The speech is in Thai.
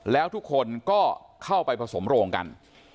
แล้วทุกคนก็เข้าไปผสมโรงกัน